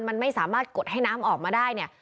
มันไม่สามารถกดให้น้ำออกมาได้เนี่ย